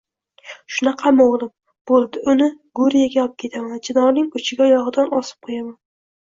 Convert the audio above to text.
Shunaqami, oʻgʻlim?! Boʻldi! Uni Guriyaga opketaman, chinorning uchiga oyogʻidan osib qoʻyaman!